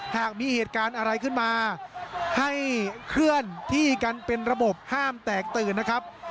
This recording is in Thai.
หากมีเหตุการณ์อะไรขึ้นมาให้เคลื่อนที่กันเป็นระบบห้ามแตกตื่นนะครับ